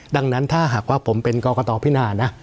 ดังนั้นถ้าหากว่าผมเป็นกรกตพินานะ